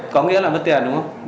có nghĩa là mất tiền đúng không